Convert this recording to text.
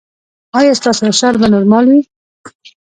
ایا ستاسو فشار به نورمال وي؟